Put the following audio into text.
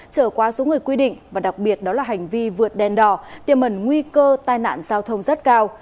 trở qua số người quy định và đặc biệt đó là hành vi vượt đèn đỏ tiềm mẩn nguy cơ tai nạn giao thông rất cao